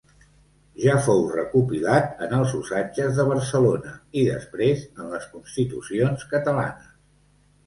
Ja fou recopilat en els Usatges de Barcelona i després en les Constitucions catalanes.